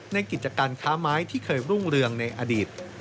กิจการค้าไม้ที่เคยรุ่งเรืองในอดีต